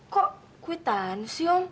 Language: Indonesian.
kok kwitan sih om